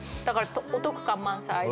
だからお得感満載。